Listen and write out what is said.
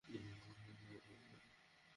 Please নাম লিখবে না।